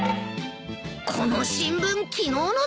この新聞昨日のだよ。